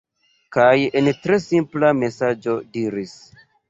kaj en tre simpla mesaĝo diris